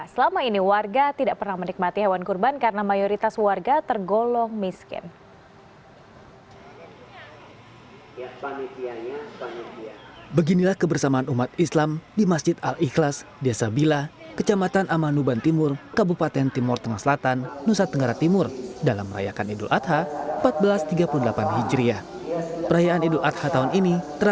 selama ini warga tidak pernah menikmati hewan kurban karena mayoritas warga tergolong miskin